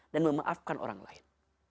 dan memaafkan orang lain